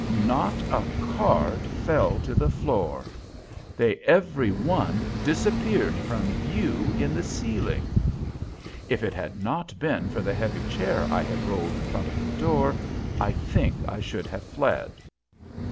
Not a card fell back to the floor. They every one disappeared from view in the ceiling. If it had not been for the heavy chair I had rolled in front of the door, I think I should have fled.